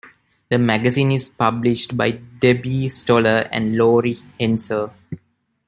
The magazine is published by Debbie Stoller and Laurie Henzel.